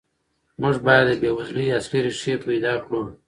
موږ باید د بېوزلۍ اصلي ریښې پیدا کړو.